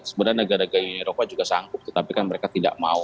sebenarnya negara negara eropa juga sangkuk tetapi kan mereka tidak mau